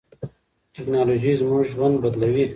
ټیکنالوژي زموږ ژوند بدلوي.